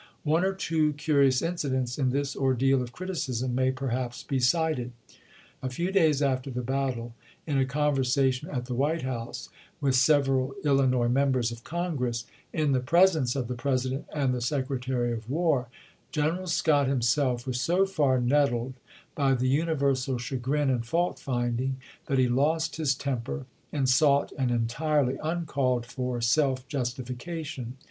One or two curious incidents in this ordeal of criticism may perhaps be cited. A few days after the battle, in a conversation at the White House with several Illinois Members of Congress, in the presence of the President and the Secretary of War, General Scott himself was so far nettled by the universal chagrin and fault finding that he lost his temper and sought an entirely un called for self justification.